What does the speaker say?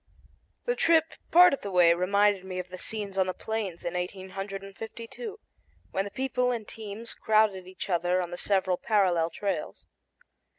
The trip part of the way reminded me of the scenes on the Plains in 1852, when the people and teams crowded each other on the several parallel trails.